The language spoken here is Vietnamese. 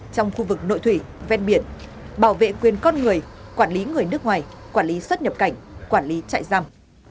trong khu vực nội thủy ven biển bảo vệ quyền con người quản lý người nước ngoài quản lý xuất nhập cảnh quản lý trại giam